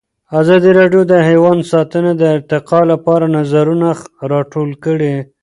ازادي راډیو د حیوان ساتنه د ارتقا لپاره نظرونه راټول کړي.